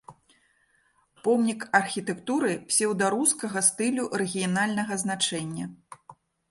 Помнік архітэктуры псеўдарускага стылю рэгіянальнага значэння.